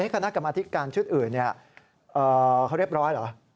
คณะกรรมธิการชุดอื่นเขาเรียบร้อยเหรอ